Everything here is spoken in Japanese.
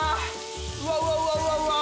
うわうわうわうわうわ。